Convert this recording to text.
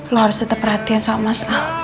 lu harus tetap perhatian sama mas al